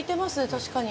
確かに。